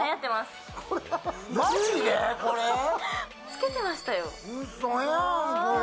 つけてましたよ。